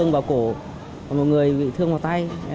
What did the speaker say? vào cổ có một người bị thương vào tay